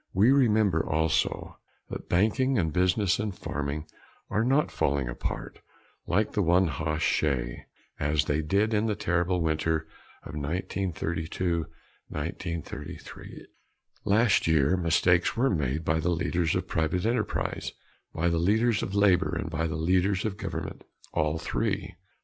We remember also that banking and business and farming are not falling apart like the one hoss shay, as they did in the terrible winter of 1932 1933. Last year mistakes were made by the leaders of private enterprise, by the leaders of labor and by the leaders of government all three.